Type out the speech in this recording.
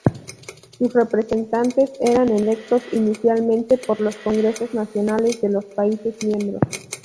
Sus representantes eran electos inicialmente por los congreso nacionales de los países miembros.